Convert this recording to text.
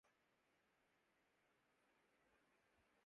جیسے قندھارا تہذیب و تمدن تھی